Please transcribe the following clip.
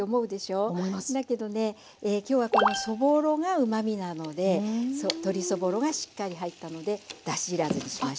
だけどね今日はこのそぼろがうまみなので鶏そぼろがしっかり入ったのでだしいらずにしました。